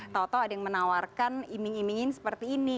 tau tau ada yang menawarkan iming imingin seperti ini